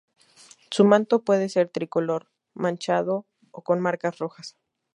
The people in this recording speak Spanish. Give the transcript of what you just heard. Su manto puede ser tricolor, manchado o con marcas rojas.